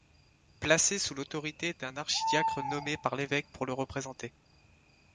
Placée sous l'autorité d'un archidiacre nommé par l'évêque pour le représenter.